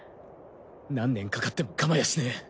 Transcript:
何年かかっても構やしねえ。